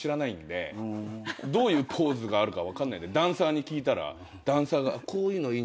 どういうポーズがあるか分かんないんでダンサーに聞いたら。